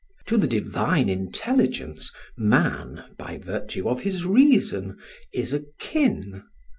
To the divine intelligence man by virtue of his reason is akin.